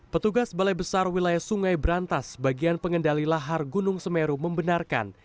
petugas balai besar wilayah sungai berantas bagian pengendali lahar gunung semeru membenarkan